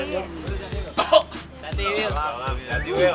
ya udah berangkat dulu ya